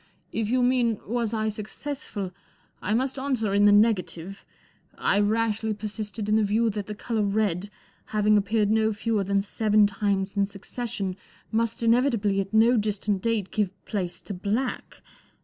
44 If you mean, was I successful, I must answer in the negative. I rashly persisted in the view that the colour red, having appeared no fewer than seven times in succession, must inevitably at no distant date give place to black.